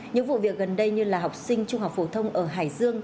những vụ việc gần đây như là học sinh trung học phổ thông ở hải dương